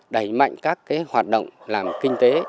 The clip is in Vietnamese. đẩy mạnh các cái hoạt động làm kinh tế